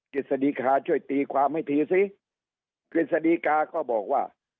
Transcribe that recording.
ฤษฎีกาช่วยตีความให้ทีซิกฤษฎีกาก็บอกว่า